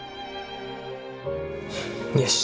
よし！